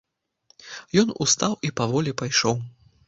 Ён устаў і паволі пайшоў.